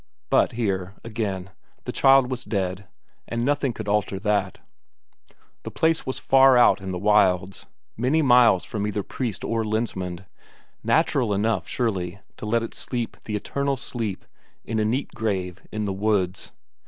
But here, again the child was dead, and nothing could alter that; the place was far out in the wilds, many miles from either priest or Lensmand; natural enough, surely, to let it sleep the eternal sleep in a neat grave in the woods.